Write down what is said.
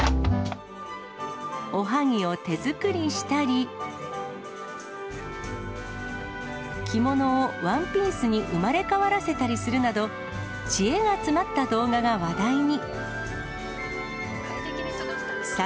おはぎを手作りしたり、着物をワンピースに生まれ変わらせたりするなど、知恵が詰まった動画が話題に。